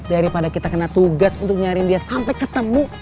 daripada kita kena tugas untuk nyari dia sampai ketemu